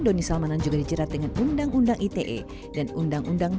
doni salmanan juga dicerat dengan undang undang